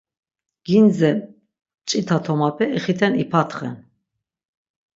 Gindze mç̌ita tomape ixiten ipatxen.